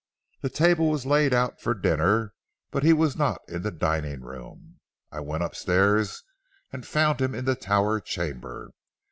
The table was laid out for dinner, but he was not in the dining room. I went upstairs, and found him in the tower chamber.